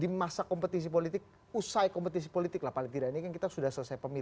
di masa kompetisi politik usai kompetisi politik lah paling tidak ini kan kita sudah selesai pemilu